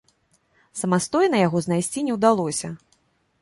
Самастойна яго знайсці не ўдалося.